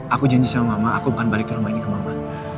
aku janji sama mama aku bukan balik ke rumah ini ke mama